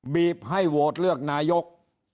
บีบให้โหวตเลือกนายก